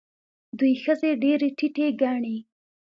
دوی ښځې ډېرې ټیټې ګڼي.